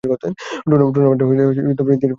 টুর্নামেন্টটি তিনটি ভিন্ন দল জিতেছে।